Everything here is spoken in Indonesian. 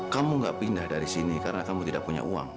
kamu gak pindah dari sini karena kamu tidak punya uang